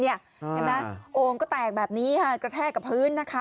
เห็นไหมโอ่งก็แตกแบบนี้ค่ะกระแทกกับพื้นนะคะ